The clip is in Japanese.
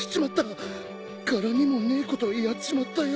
柄にもねえことやっちまったよ。